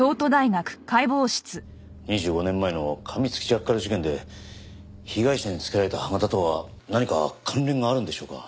２５年前のかみつきジャッカル事件で被害者につけられた歯形とは何か関連があるんでしょうか？